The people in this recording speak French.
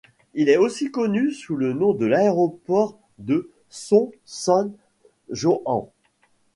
Il est aussi connu sous le nom de aéroport de Son Sant Joan.